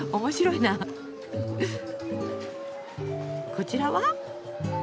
こちらは？